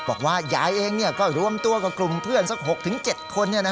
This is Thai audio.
บอกว่ายายเองก็รวมตัวกับกลุ่มเพื่อนสัก๖๗คน